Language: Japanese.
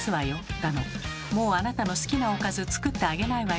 だの「もうあなたの好きなおかず作ってあげないわよ」